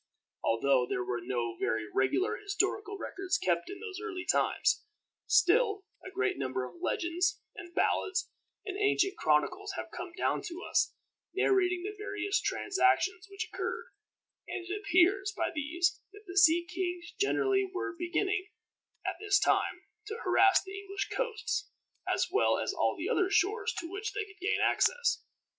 Although there were no very regular historical records kept in those early times, still a great number of legends, and ballads, and ancient chronicles have come down to us, narrating the various transactions which occurred, and it appears by these that the sea kings generally were beginning, at this time, to harass the English coasts, as well as all the other shores to which they could gain access.